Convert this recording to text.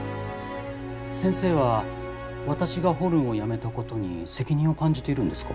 先生は私がホルンをやめたことに責任を感じているんですか？